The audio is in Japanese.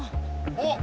あっ！